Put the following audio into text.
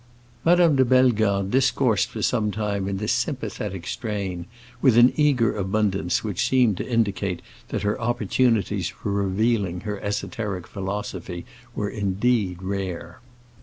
Madame de Bellegarde discoursed for some time longer in this sympathetic strain, with an eager abundance which seemed to indicate that her opportunities for revealing her esoteric philosophy were indeed rare.